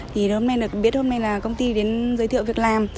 thì hôm nay được biết hôm nay là công ty đến giới thiệu việc làm